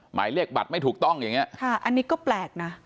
หมายเลขบัตรไม่ถูกต้องอย่างนี้ค่ะอันนี้ก็แปลกนะ